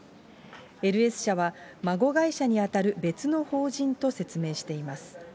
ＬＳ社は孫会社に当たる別の法人と説明しています。